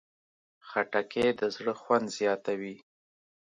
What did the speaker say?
خټکی د زړه خوند زیاتوي.